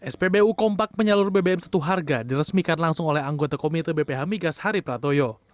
spbu kompak penyalur bbm satu harga diresmikan langsung oleh anggota komite bph migas hari pratoyo